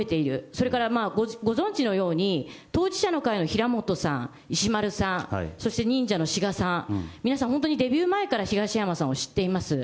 それからご存じのように、当事者の会の平本さん、石丸さん、そして忍者のしがさん、皆さん、本当にデビュー前から東山さんを知っています。